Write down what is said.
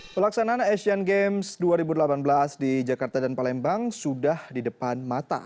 pelaksanaan asian games dua ribu delapan belas di jakarta dan palembang sudah di depan mata